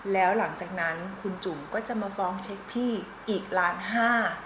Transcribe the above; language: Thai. แล้วหลังจากนั้นคุณจุ๋มก็จะมาฟ้องเช็คพี่อีกล้านห้า